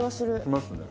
しますね。